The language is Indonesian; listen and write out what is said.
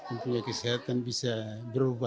untuk kesehatan bisa berubah